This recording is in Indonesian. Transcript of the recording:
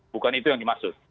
bukan itu yang dimaksud